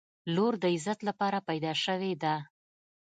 • لور د عزت لپاره پیدا شوې ده.